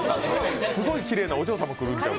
すごいきれいなお嬢さん来ちゃう。